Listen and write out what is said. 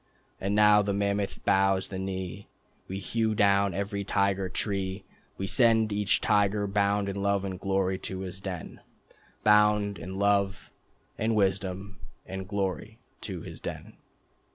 And now the mammoth bows the knee, We hew down every Tiger Tree, We send each tiger bound in love and glory to his den, Bound in love ... and wisdom ... and glory, ... to his den."